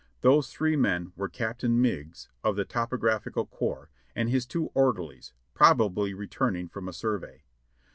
Those three men were Captain Meigs, of the Topographical Corps, and his two orderlies, probably returning from a survey.